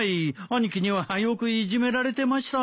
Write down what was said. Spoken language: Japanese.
兄貴にはよくいじめられてました。